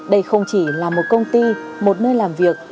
đây không chỉ là một công ty một nơi làm việc